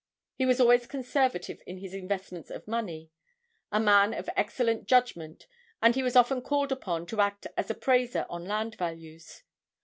He was always conservative in his investments of money; a man of excellent judgment, and he was often called upon to act as appraiser on land values.